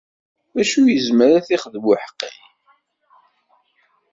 Acu yezmer ad t-ixdem uḥeqqi?